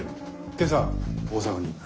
今朝大阪に。